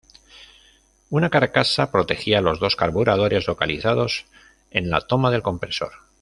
Una carcasa protegía los dos carburadores localizados en la toma del compresor.